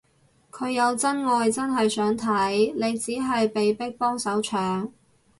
佢有真愛真係想睇，你只係被逼幫手搶